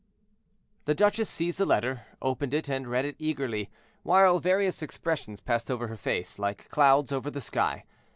The duchess seized the letter, opened it, and read it eagerly, while various expressions passed over her face, like clouds over the sky.